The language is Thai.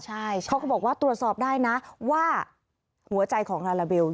ใช่เขาก็บอกว่าตรวจสอบได้นะว่าหัวใจของลาลาเบล